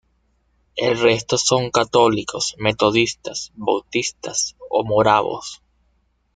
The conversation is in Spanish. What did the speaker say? El resto son católicos, metodistas, bautistas o moravos.